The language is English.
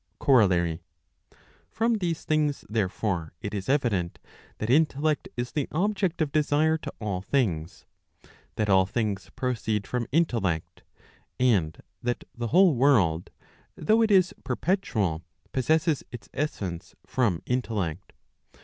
COROLI.ABT. From these things, therefore, it is evident that intellect is the object of desire to all things, that all things proceed from intellect, and that the whole world though it is perpetual possesses its essence from intellect.